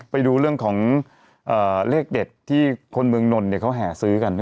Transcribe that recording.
ไปดูเรื่องของเลขเด็ดที่คนเมืองนนท์เขาแห่ซื้อกัน